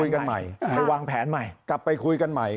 กลับไปคุยกันใหม่